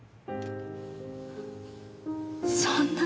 そんな。